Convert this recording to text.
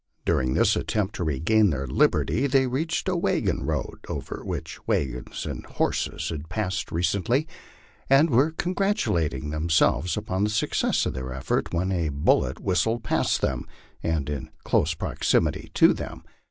During this attempt to regain their liberty, they reached a wagon road, over which wagons and horses had passed recently, and were congratulating themselves upon the success of their effort, when a bullet whistled past them, and in close proximity to them.